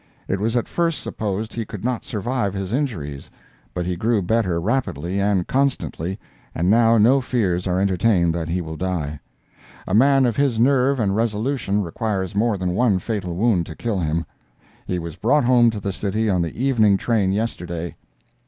It was at first supposed he could not survive his injuries, but he grew better rapidly and constantly, and now no fears are entertained that he will die. A man of his nerve and resolution requires more than one fatal wound to kill him. He was brought home to the city on the evening train yesterday.